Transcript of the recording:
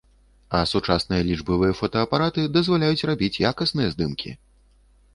А сучасныя лічбавыя фотаапараты дазваляюць рабіць якасныя здымкі.